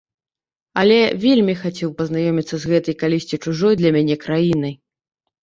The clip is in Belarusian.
Але вельмі хацеў пазнаёміцца з гэтай калісьці чужой для мяне краінай.